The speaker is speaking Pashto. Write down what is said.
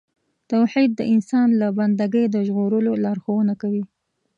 توحید د انسان له بندګۍ د ژغورلو لارښوونه کوي.